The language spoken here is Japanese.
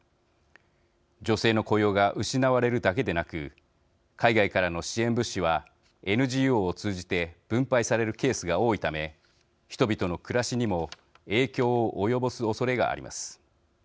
女性の雇用が失われるだけでなく海外からの支援物資はＮＧＯを通じて分配されるケースが多いため人々の暮らしにも影響を及ぼすおそれがあります。